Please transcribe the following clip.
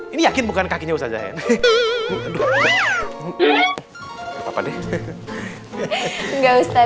ini yakin bukan kakinya usahanya